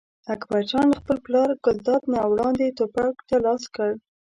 اکبر جان له خپل پلار ګلداد نه وړاندې ټوپک ته لاس کړ.